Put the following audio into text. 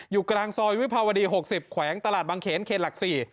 อยู่กลางซอยวิภาวดี๖๐แขวงตลาดบางเขนเขตหลัก๔